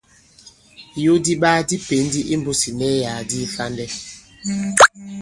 Ìyo di iɓaa di pěn ndi i mbūs ì ìnɛsyàk di kifandɛ.